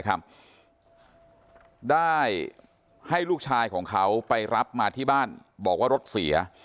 ได้ให้ลูกชายของเขาไปรับมาที่บ้านบอกว่ารถเสีย